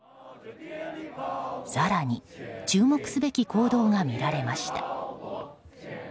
更に、注目すべき行動が見られました。